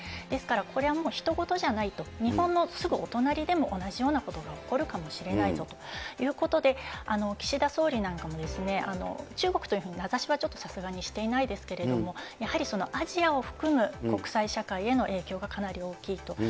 ですからこれはひと事じゃないと、日本のすぐお隣でも同じようなことが起こるかもしれないぞということで、岸田総理なんかも、中国というふうに名指しはちょっとさすがにしていないですけれども、やはりアジアを含む国際社会への影響がかなり大きいと。